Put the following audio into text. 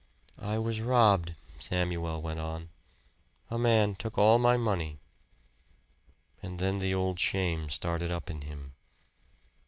"I was robbed," Samuel went on. "A man took all my money." And then the old shame started up in him.